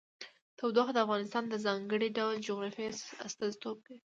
تودوخه د افغانستان د ځانګړي ډول جغرافیه استازیتوب کوي.